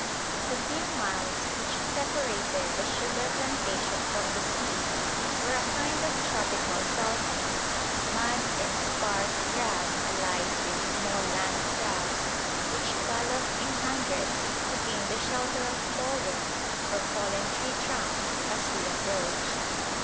The few miles which separated the sugar plantation from the sea were a kind of tropical saltings, mud and sparse grass alive with small land crabs which galloped in hundreds to gain the shelter of boulder or fallen tree trunk as we approached.